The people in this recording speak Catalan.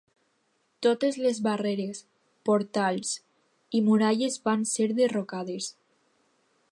Totes les barreres, portals i muralles van ser derrocades.